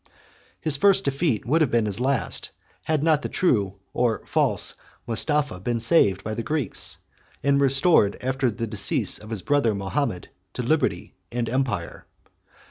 His first defeat would have been his last, had not the true, or false, Mustapha been saved by the Greeks, and restored, after the decease of his brother Mahomet, to liberty and empire.